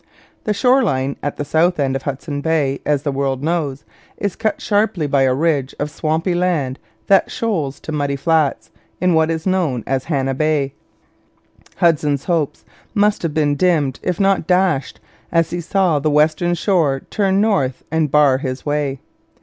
The shore line at the south end of Hudson Bay, as the world now knows, is cut sharply by a ridge of swampy land that shoals to muddy flats in what is known as Hannah Bay. Hudson's hopes must have been dimmed if not dashed as he saw the western shore turn north and bar his way.